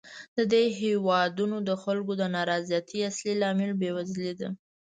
د دې هېوادونو د خلکو د نا رضایتۍ اصلي لامل بېوزلي ده.